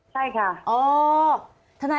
ใช่ค่ะ